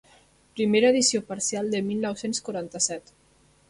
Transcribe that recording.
Primera edició parcial de mil nou-cents quaranta-set.